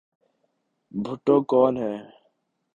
بھٹو کون ہیں؟